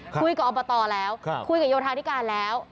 อบตแล้วคุยกับโยธาธิการแล้ว